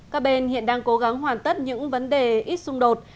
các bên hiện đang cố gắng hoàn tất những vấn đề ít xung đột